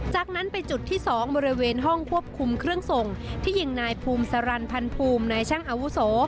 จากนั้นไปจุดที่๒บริเวณห้องควบคุมเครื่องส่งที่ยิงนายภูมิสารันพันภูมินายช่างอาวุโส